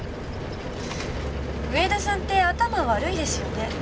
上田さんって頭悪いですよね。